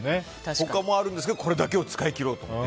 他もあるんですけどこれだけを使い切ろうと。